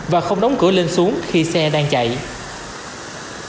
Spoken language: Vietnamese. và không đóng cửa lên xuống khi xe đang chạy